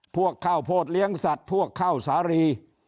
พวกเข้าโพธิเลี้ยงสัตว์พวกเข้าสารี